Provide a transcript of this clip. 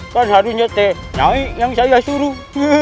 kan harusnya teh nyai yang saya suruh